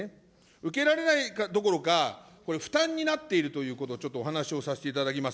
受けられないどころか、これ、負担になっているということも、ちょっとお話をさせていただきます。